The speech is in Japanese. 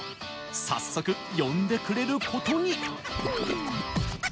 早速、呼んでくれることに。